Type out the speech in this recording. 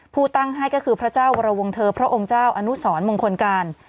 ผู้ตั้งให้ก็คือพระเจ้าวรวงเทอร์พระองค์เจ้าอนุสรมงคลการ